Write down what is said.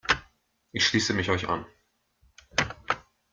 Ich schließe mich euch an.